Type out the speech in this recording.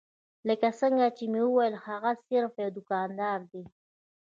لکه څنګه چې مې وويل هغه صرف يو دوکاندار دی.